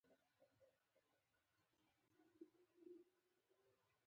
زه هر ماښام د خوب نه مخکې کتاب لولم.